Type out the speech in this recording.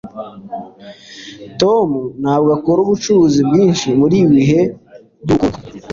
tom ntabwo akora ubucuruzi bwinshi muri ibi bihe bibi byubukungu